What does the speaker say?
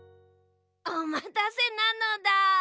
おまたせなのだ。